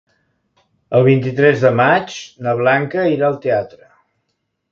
El vint-i-tres de maig na Blanca irà al teatre.